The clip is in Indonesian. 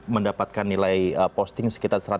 mendapatkan nilai posting sekitar